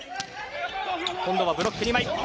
今度はブロック２枚。